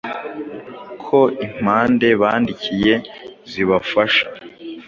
ko impande bandikiye zibafasha.